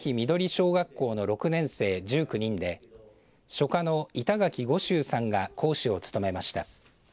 小学校の６年生１９人で書家の板垣悟舟さんが講師を務めました。